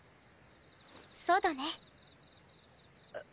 そうだね。